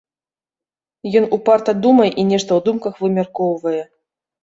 Ён упарта думае і нешта ў думках вымяркоўвае.